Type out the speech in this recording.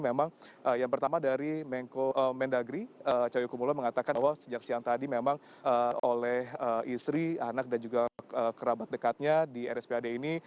memang yang pertama dari mendagri cahyokumulo mengatakan bahwa sejak siang tadi memang oleh istri anak dan juga kerabat dekatnya di rspad ini